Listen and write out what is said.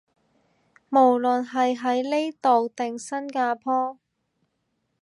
無論係喺呢度定新加坡